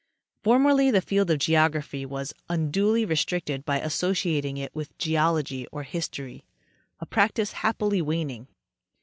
Formerly the field of geography was unsluly restricted by associating it with geology or history—a practice happily waning.